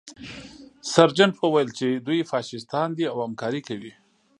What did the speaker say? سرجنټ وویل چې دوی فاشیستان دي او همکاري کوي